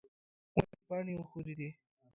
ونې پاڼې وښورېدې.